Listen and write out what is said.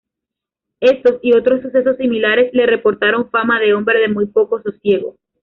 Estos y otros sucesos similares le reportaron fama de "hombre de muy poco sosiego".